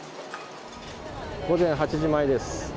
午前８時前です。